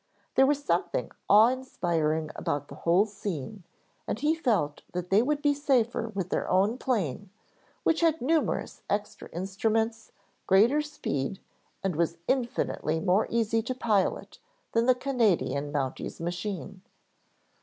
There was something awe inspiring about the whole scene and he felt that they would be safer with their own plane, which had numerous extra instruments, greater speed, and was infinitely more easy to pilot than the Canadian Mounty's machine.